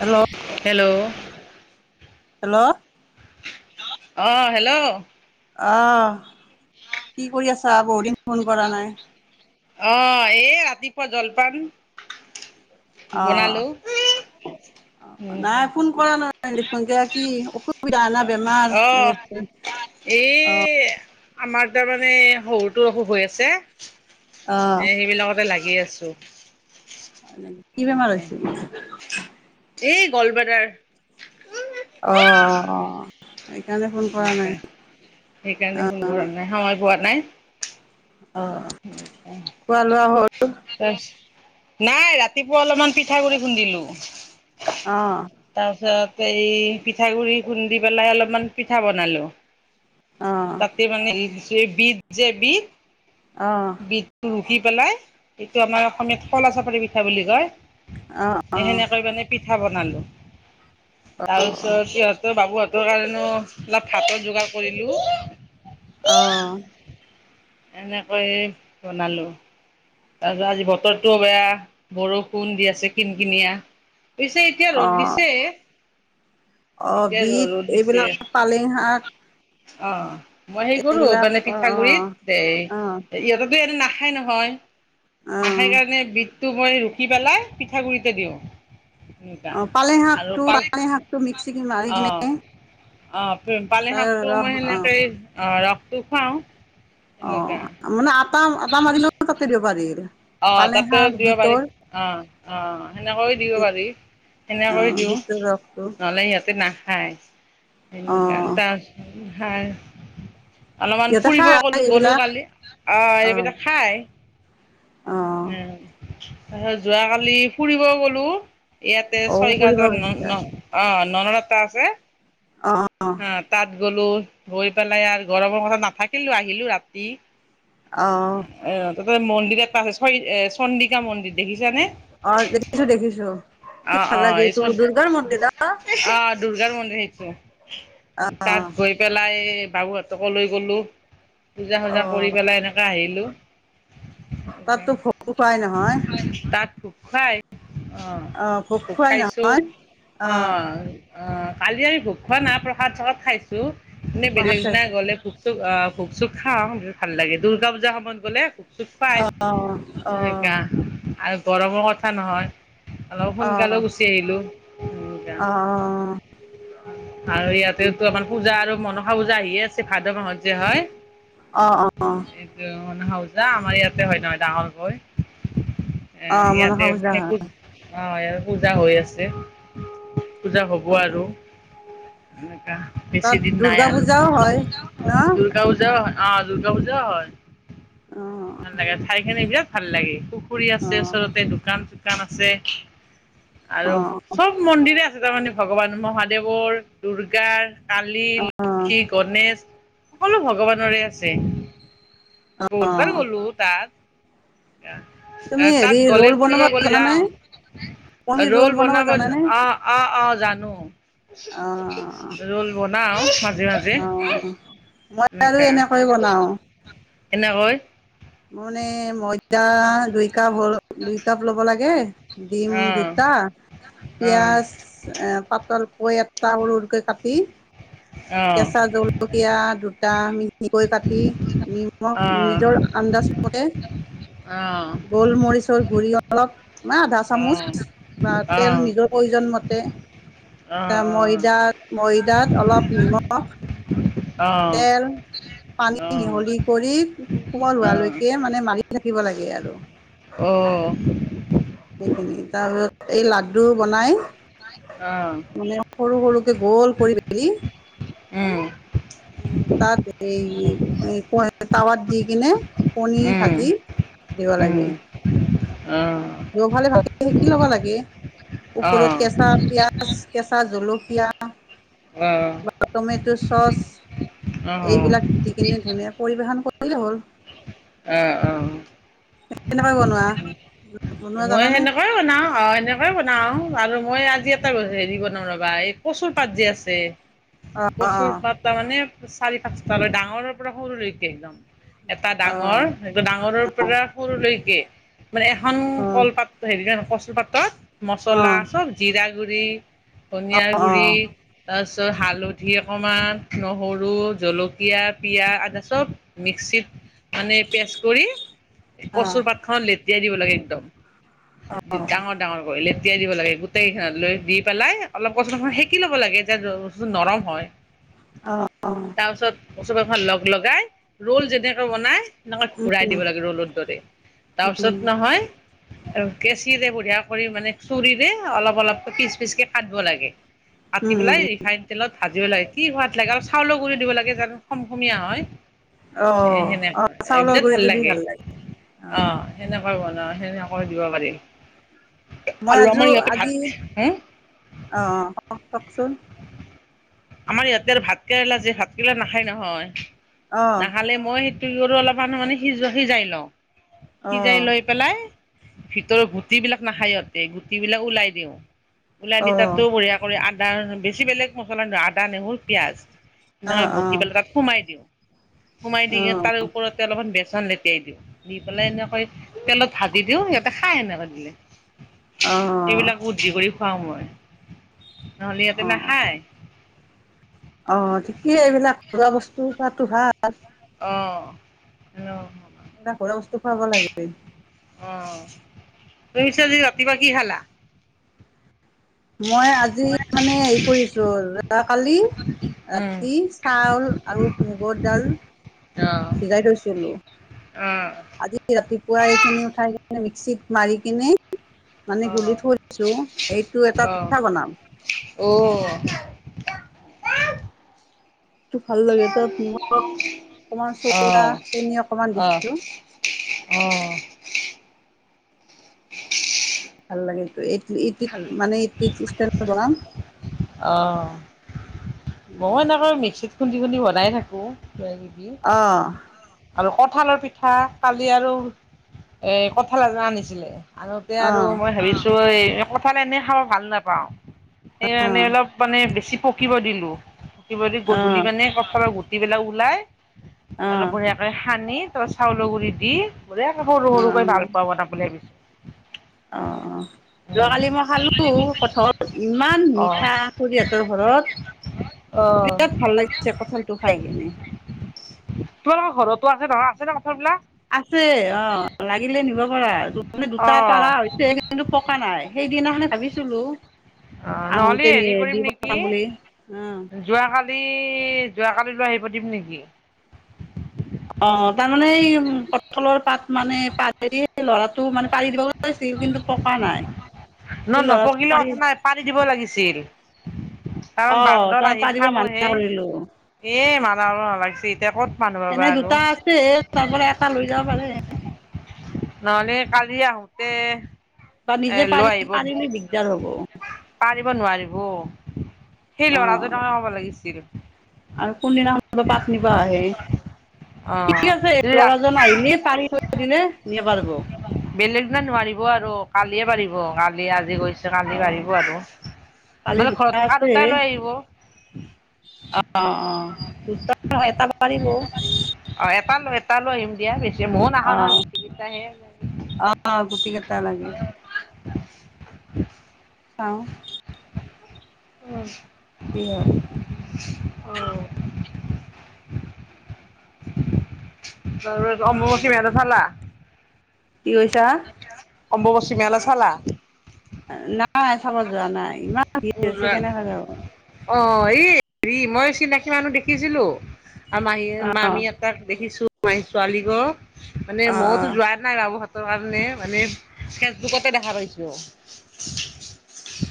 Hello hello hello অ', hello অহ, কি কৰি আছা বহুত দিন ফোন কৰা নাই অ', ৰাতিপুৱা জলপান অ বনালো [unintelligible] পৰা ন দেখোনকে কি অসুবিধা আনা বেমাৰ অ হৈ আছে এই আমাৰ তাৰ মানে সৰুটো অসুখ হৈ আছে অ এ সেইবিলাকতে লাগি আছো কি বেমাৰ হৈ হৈছে এই গলবাটাৰ অ অ সেইকাৰণে ফোন কৰা নাই অ সেইকাৰণে ফোন কৰা নাই সময় পোৱা নাই অ কোৱা লোৱা হল নাই ৰাতিপুৱা অলপমান পিঠাাগুড়ি খুন্দিলো অ তাৰ পিছত এই পিঠাগুৰি খুন্দি পেলাই অলপমান পিঠা বনালো অ তাতে মানে বীজ যে বীজ অ বিধটো ৰুকি পেলাই এইটো আমাৰ অসমীয়াত কলা চাপাৰী পিঠা বুলি কয় অ অ সেনেকৈ মানে পিঠা বনালো তাৰ পিছত সিহঁতৰ বাবু ত কাৰণে অলপ ভাতৰ যোগাৰ কৰিলোঁ অ এনেকৈয়ে বনালো তাৰছত আজি বতৰটোও বেয়া বৰষুণ দি আছে কিন কিনিয় পছে এতিয়া অ ৰ'দ দিছে অ এতিয়া বিট ৰ'দ দিছে এইবিলাক পালেং শাক অ মই হে কৰো এইবিলাক মানে অ অ পিঠাগুৰিত অ এ ইহঁততো এনে না হ খাই নহয় অ হহাই কাৰণে বিটটো মই ৰুকি পেলাই পিঠাগুৰিতে দিওঁ এনেকুৱা অ পালে শাক টো পালে শাক টো মিক্সি কৰি মাৰি কিনে অ পালি তাই শাকটো ৰস মই অ সেনেকেই অ ৰসটো খুৱাও অ মানে আটা আটা মাৰিলেও কাটি দিব পাৰিল অ তাতে দিব পাৰি অ অ সেনেকৈও দিব পাৰি অ সেনেকৈ দিও বিটৰ ৰসটো নহলে সিহঁতে নাখায় [unintelligible] অ অলপমান সিহঁতে ফুৰিব খাই গ'লো গ'লো এইবিলাক কালি অ এইবাক খাই অ উম তাৰিছত যোৱ কালি ফুৰিব গলো ইয়াতে অ ছয় ফুৰিব গাঁজৰ গৈছা ন অ নননটাা আছে। অ', অ' অ' তাত গ'লো গৈ পেলাই আৰু গৰমৰ কথা নাথাকিলো আহিলো ৰাতি। অ', অ' তাতে মন্দিৰ এটা আছে চ এ চন্দিকা মন্দিৰ দেখিছানে? অ' দেখিছো দেখিছো। কি অ', ভাল লাগে অ' এই চ এইটো দুৰ্গাৰ মন্দিৰত অ দুূৰ্গাৰ মন্দিৰ সেইটো। তাত আহ', গৈ পেলাই বাবুহঁতক লৈ গ'লোঁ পূজা অ চজা কৰি পেলাই এনেকৈ আহিলোঁ। তাতো ভোগ খুৱাই নহয় তাত খ খাই অ' ভোগ ভোক খুৱাই খাইছো নহয় অ আহ অ' কালি আমি ভোগ খোৱা না প্ৰসাদ চসাদ খাইছো এনে প্ৰসাদ বেলেগ দনা খাইছো গলে ভোক খুোক চুক খাওঁ ভাল লাগে দ দুৰ্গা পূজাৰ সময়ত গ'লে খুোক চুক পাই। অ অ সা আৰু গৰমৰ কথা নহয়। অলপ অ অ সোনকালেও গুচি আহিলো। অ আৰু ইয়াতেতো আমাৰ পূজা আৰু মনসা পূজা আহিয়ে আছে ভাদ মাহত যে হয়। অ', অ', অ' হাওজা আমাৰ ইয়াতে হয় নহয় ডাঙৰ গৈ। এ অ ইয়াতে মনসা পূজা একো হয় অ' ই পূজা হৈ আছে পূজা হব অ আৰু। এনেকাা বেছি তাত দিন নাই দুৰ্গা আৰু পূজাও হয় ন দুূৰ্গা পূজা হয়। অ' দুৰ্গা পূজাও হয় অ ভাল লাগে ঠাইখি বিৰাট ভাল লাগে। পুখুৰী অ আছে ওচৰতে দোকান চোকান আছে। অ আৰু চব মন্দিৰে আছে তাৰমানমানে ভগৱান মহাদেৱৰ দৰ্গাৰ। কালি অ লক্ষী গণেশ সকলো ভগৱানৰে আছে। অ বহুতবাৰ ব'লো তাত তুমি তাত হেৰি গলে ৰোল বনাব ফুৰিব গলে জানানে যাও। পনীৰ ৰোল ৰল বনাব জানানে অ', অ', অ' জানো। অ ৰোল বনাও মাজে মাজে অ মই আৰু এনেকা এনেকৈ বনাও এনেকৈ? মোৰানে মইদা দুইকা ভল দুই কাপ ল'ব লাগে ডিম দুটা পয়াজ এ পাতল কৈ এটা সৰু সৰুকৈ কাটি কেঁচা জলকীয়া দুটা মিহিকৈ কাটি নিম নিজৰ আন্দাজ মে গোলমৰিচৰ গুৰি অলপ ম আধা চামুচ বা তেল নিজৰ প্ৰয়োজন মতে এ ময়দাত ময়দাত অলপ নিমখ তেল পানী মিহলি কৰি কোমল হোৱালৈকে মানে মাৰি থাকিব লাগে আৰু। অ' সেইখিনি তাৰ পিছত এই লাড্ডু বনাই মানে সৰু সৰুকে গোল কৰি পেলি উম', তাত এই টাৱাত দি কিনে কণী ভাজি দিব লাগে। ৰফালে ভালকে শিকি ল'ব লাগে ওপৰত কেঁচা পিয়াজ কেঁচা জলকীয়া বা টমেট' চচ এইবিলাক উঠিকিনি ধুনীয়া পৰিৱেশন কৰিলে হ'ল আহ অ কেনেকৈ বনোৱা বনোৱা মই জানানে? সেনেকুৱাই বনাও অ সেনেকাই বনাও আৰু মই আজি এটা হেৰি বনাম ৰবা এই কচুৰ পাত যে আছে অ', কচুৰ অ', পাত তামানে চাৰি পাঁচটালৈ ডাঙৰৰ পৰা সৰুলৈকে ন এটা ডাঙৰ অ', ডাঙৰৰ পৰা সৰুলৈকে মানে এখন অ', কলপাত হেৰি কচুপাতত অ', মছলা অ', চব জিৰা গুৰি কনিয়া গুৰি তাৰছত হালধি অকমান নহৰু জলকীয়া পিয়াজ আদা চব মিক্সিত মানে পেষ্ট কৰি অ', কচুৰ পাত খনত লেতিয়াই দিব লাগে একদম অ', গাঙত ডাঙৰ কৰি লেতেয়াই দিব লাগে গোটেইখন লৈ দি পেলাই অলপ কচুখন সেকি লব লাগে দে দ স্তটো নৰম হয় অ', অ', তাৰপিছত ওচবখন লগ লগাই ৰোল যেনেকৈ বনাই উম, ঘুৰাই দিব লাগে ৰ'লৰ দৰে তাৰ পিছত নহয় আৰু কেঁচিৰে বঢ়িয়া কৰি মানে চুৰিৰে অলপ অলপকৈ পিছ পিচ কাটব লাগে কাটি উম, পেলাই ৰিফাইন তেলত ভাজিব লাগে কি সোৱাদ লাগে আৰু চাউলৰ গুৰি দিব লাগে যানো খম খমীয়া হয় এ অ', সেনেুৱা অ', এই চাউলৰ বিৰাত ভাল গুৰিটো দি লাগে অ সেনেকা বনাও সেনেকৈ দিব পাৰি মই আৰু আমাৰ ইয়াতে ভাত হ অঁ অঁ অ কওকচোন আমাৰ ইয়াতে আৰু ভাত কেৰেলা যে ভাত কেৰেলা নাখায় নহয় অ', নাখালে মই কি কৰো অলপ মান মানে সিজো সিজাই লওঁ সিজাই অ', লৈ পেলাই ভিতৰ গুটি বিলাক নাখায় ইিহঁতে গুটি বিলাক ওলাই দিওঁ ওলাই দি অ', অ', তাতো বঢ়িয়া কৰি আদা বেছি বেলেগ মছলা নয় আদা নেহৰু পিয়াজ সেনকাই ভটি অ', পেলাই তাক সোমাই দিওঁ সোমাই দি কি তাৰ ওপৰতে অলপমান বেচন লে তিয়াই দিওঁ দি পেলাই এনেকৈ তেলত ভাজি দিওঁ সিহঁতে খাই সনেকৈ দিলে অ', সেইবিলাক অ', বুদ্ধি কৰি খুৱাও মই নহ'লে ইহঁতে অ'। নাখায় অ ঠিকেই এইবিলাক খোৱা বস্তু পোৱাতো ভাল অঁ এনকা ঘৰৰ বস্তু খুৱাব লাগে অ তুমি চদি ৰাতিপোৱা কি খালা মই আজি মানে হেৰি কৰিছো যাকালি উম ৰাতি চাউল আৰু মুগৰ ডাল ভিজাই থৈছিলো অ আজি ৰাতিপুৱা এইখিনি উঠাই কিনে মিক্সিত মাৰি কিনে মানে গুলি থৈছো এইটো এটা অঁ পিঠা বনাম অ ভাল লাগে তাত নিমখ অকমান চৌদা অ', চেনি অকমান অ', দিছো অ ভাল লাগেটো এইটো ইটোত খালো। মানে ইস্তাৰ বৰাম অ মই এনেকৈ মিক্সিত খুন্দি খুন্দি বনাই থাকোঁ কিবা কিবি অ আৰু কঠালৰ পিঠা কালি আৰু এ কঠাল এটা আনিছিলে আনোতে অ অ আৰু মই ভাবিছো এই কঁঠাল এনে খাব ভাল নাপাওঁ সেই আণে অলপ মানে বেছি পকিব দিলো পকিব দি অ গধূলি মানে কঠালৰ গো দি পেলাই ওলাই অ অলপ বঢ়িয়াকৈ সানি ত চাউলৰ গুড়ি দি ব সৰু অ সৰুকৈ অ ভাল পোৱা বনাব বুলি ভাবিছ অ অ উম, যোৱাকালি মই খালো কঠল ইমান মিঠা অ', খুৰহঁতৰ ঘৰত অ'। বিৰাট ভাল লাগিছে কঠালটো খাই কেনে তোমালোকৰ ঘৰতো আছে নহয় আছে ন কথাবলাক আছে অ লাগিলে নিব পাৰ মানে দুটা অঁ পাৰা হৈছে কিন্তু পকা নাই সেইদিনাখনে ভাবিছিলো অ নহলে আহোতে হেৰি নিয়ে দি কৰিম নেকি পঠাম বুলি অ যোৱাকালি যোৱাকালি লৈ আহি পাতিম নেকি অ তাৰমানে এই উ পঠলৰ পাত মানে পাত হেৰি ল'ৰাটো মানে পাৰি দিব লিছিল কিন্তু পকা নাই নহ সেই ন ল'ৰাটো পকিলে পাৰি কথা নাই পানী দিব লাগিছিল অ কাৰণ বান্দত তাৰ আহি পাৰিব মানা খাবহে কৰিলো এ মালা আৰু নভাগিছে এতিয়া ক'ত মানুহ এনে পাবা আৰু দুটা তাৰ পৰা এটা লৈ যাব পাৰে নহলে কালি আহোতে বা নিজে পানী পানিল দিগদাৰ হব পাৰিব নোৱাৰিব সেই ল'ৰাজ অঁ হব লাগিছিল আৰু কোনদিনাখন পাত নিপ আহে অঁ ঠিক আছে ল'ৰা তই নাহিলে পাৰিব দিছিলে সি পাৰিব। বেলেগ দিনা নোৱাৰিব আৰু কালিয়ে পাৰিব কালি আজি গৈছোঁ। কালি অঁ বাাঢ়িব আৰু নহ'লে ঘৰত থকা দুটাই লৈ আহিব। অ' অ' দুটা নহয়, এটা নোৱাৰিব। অ' এটা ল এটা লৈ আহিম দিয়া, বেছি ময়ো নখাও নহয়, গুটি কেইটাহে। আহ গুটি কেইটা লাগে। চাওঁ উম। কি হয়। অ' বাৰু অম্বুবাচী মেলা চালা। কি কৈছা। অম্বুবাচী মেলা চালা। নাই চাব যোৱা নাই, ইমান ভিৰ হৈছে কেনে যাব। অ' এই হেৰি মই চিনাকি মানুহ দেখিছিলোঁ। আৰু মাহীয়ে অঁ মামী একেক দেখিছোঁ, মাহী ছোৱালীক ঘৰৰ মানে অঁ অঁ মইয়তো যোৱা নাই বাবুহঁতৰ কাৰণে মানে ফেচবুকতে দেখা পাইছোঁ।